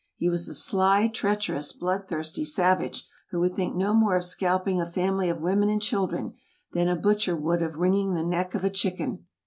He was a sly, treacherous, blood thirsty savage, who would think no more of scalping a family of women and children, than a butcher would of wringing the neck of a chicken.